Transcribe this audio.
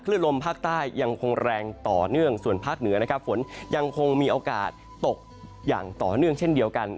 ลมภาคใต้ยังคงแรงต่อเนื่องส่วนภาคเหนือนะครับฝนยังคงมีโอกาสตกอย่างต่อเนื่องเช่นเดียวกัน